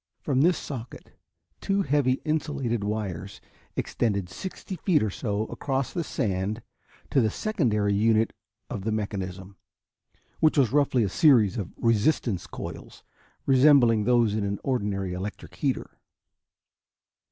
From this socket, two heavy insulated wires extended sixty feet or so across the sand to the secondary unit of the mechanism, which was roughly a series of resistance coils, resembling those in an ordinary electric heater.